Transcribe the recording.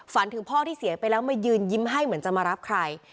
ถึงพ่อที่เสียไปแล้วมายืนยิ้มให้เหมือนจะมารับใคร